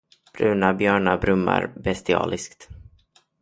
Bruna björnar brummar bestialiskt.